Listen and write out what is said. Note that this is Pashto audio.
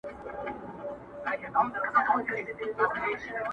چي هر ځای پسو پیدا کړی ښکاروئ یې,